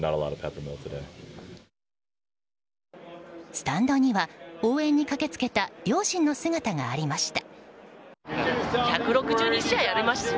スタンドには応援に駆け付けた両親の姿がありました。